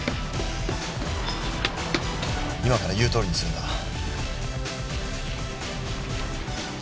今から言うとおりにするんだ。